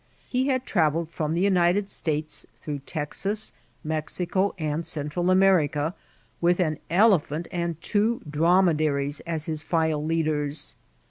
He had tniTelled firom the United Slates thiongb Texas, Mexico, and Central Ameiica^ with an elephant and two dromedaries as his file lead* ets